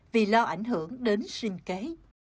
vì lo ảnh hưởng đến sinh kế